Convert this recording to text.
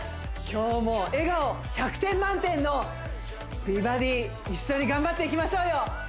今日も笑顔１００点満点の美バディ一緒に頑張っていきましょうよ